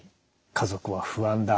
家族は不安だ。